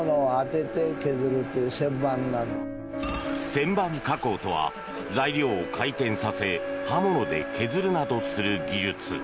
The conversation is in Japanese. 旋盤加工とは、材料を回転させ刃物で削るなどする技術。